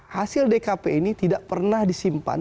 hasil dkp ini tidak pernah disimpan